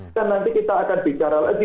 kan nanti kita akan bicara lagi